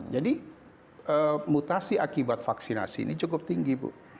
jadi mutasi akibat vaksinasi ini cukup tinggi